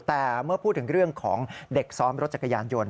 แต่เมื่อพูดถึงเรื่องของเด็กซ้อมรถจักรยานยนต์